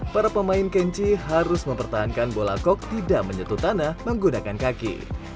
para pemain kenji harus mempertahankan bola kok tidak menyentuh tanah menggunakan kaki